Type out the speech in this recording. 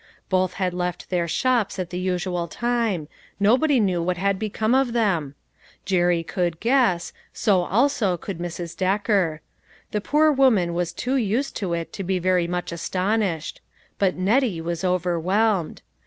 Both had left their shops at the usual time; nobody knew what had become of them. Jerry could guess, so also could Mrs. Decker. The poor woman was too used to it to be very much astonished ; but Nettie was overwhelmed.